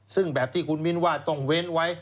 ซึ่งแบบที่คุณมิ้นว่าต้องเว้นไว้